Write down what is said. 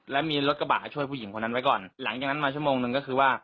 แล้วมีรถกระบะช่วยผู้หญิงคนนั้นไว้ก่อนหลังจากนั้นมาชั่วโมงหนึ่งก็คือว่า